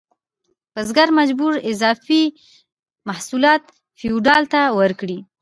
بزګر مجبور و اضافي محصولات فیوډال ته ورکړي.